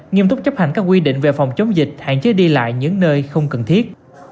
nghiêm túc chấp hành các quy định về phòng chống dịch hạn chế đi lại những nơi không cần thiết